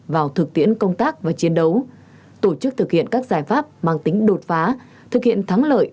vào thực tiễn công tác và chiến đấu tổ chức thực hiện các giải pháp mang tính đột phá thực hiện thắng lợi